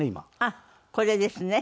あっこれですね。